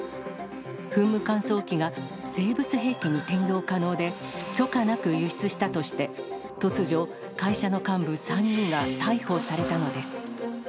噴霧乾燥機が生物兵器に転用可能で、許可なく輸出したとして、突如、会社の幹部３人が逮捕されたのです。